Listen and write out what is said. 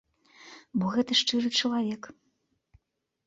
Бо гэта шчыры чалавек.